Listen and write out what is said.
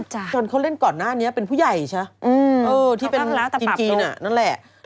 จนเขาเล่นก่อนหน้านี้เป็นผู้ใหญ่ใช่ไหมอะที่เป็นจริงนั่นแหละถ้าราตะปับโต